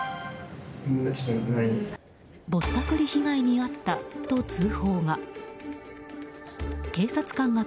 ぼったくり被害に遭ったと通報が。